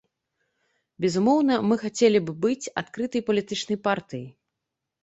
Безумоўна, мы хацелі б быць адкрытай палітычнай партыяй.